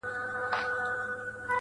لکه ملنگ چي د پاچا د کلا ور ووهي~